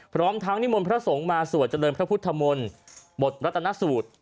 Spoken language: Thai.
พร้อมทั้งนิมนต์พระสงฆ์มาสวดเจริญพระพุทธมนต์บทรัฐนสูตร